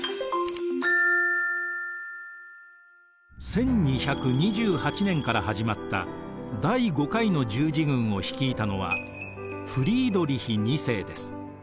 １２２８年から始まった第５回の十字軍を率いたのはフリードリヒ２世です。